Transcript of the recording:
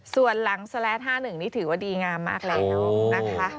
ส่วนหลังแสลด๕๑นี่ถือว่าดีงามมากแล้วนะคะ